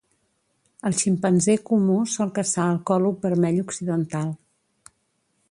El ximpanzé comú sol caçar el còlob vermell occidental.